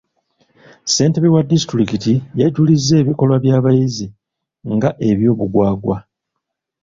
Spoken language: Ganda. Ssentebe wa disitulikiti yajuliza ebikolwa by'abayizi nga eby'obugwagwa.